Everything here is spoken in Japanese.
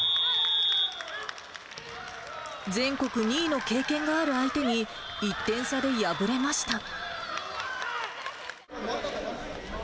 全国２位の経験がある相手に、１点差で敗れました。